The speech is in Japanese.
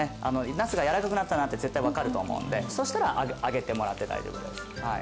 ナスがやわらかくなったなって絶対分かると思うんでそしたらあげてもらって大丈夫です